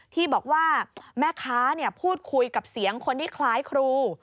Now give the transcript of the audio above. ที่บอกว่าแม่ค้าพูดคุยกับเสียงคนที่คล้ายครู